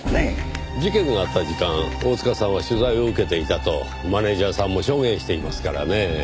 事件のあった時間大塚さんは取材を受けていたとマネジャーさんも証言していますからねぇ。